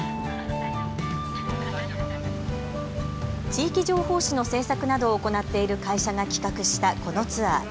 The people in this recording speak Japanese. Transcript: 地域情報紙の制作などを行っている会社が企画したこのツアー。